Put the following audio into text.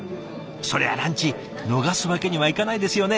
そりゃあランチ逃すわけにはいかないですよね。